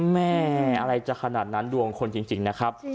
แม่อะไรจะขนาดนั้นดวงคนจริงนะครับ